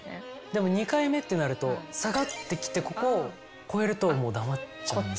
でも２回目ってなると下がってきてここを超えるともう黙っちゃう。